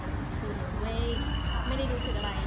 คือหนูเว้ยไม่ได้รู้สึกอะไร